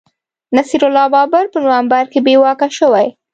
نصیر الله بابر په نومبر کي بې واکه شوی